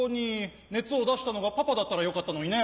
熱を出したのがパパだったらよかったのにね。